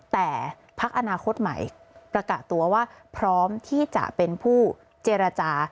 แต่พักอนาคตใหม่ประกาศตัวว่าพร้อมที่จะเป็นผู้เจรจา